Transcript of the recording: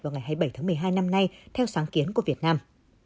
vào ngày hai mươi bảy tháng một mươi hai năm nay theo sáng kiến của việt nam